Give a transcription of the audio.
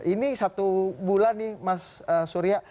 ini satu bulan nih mas surya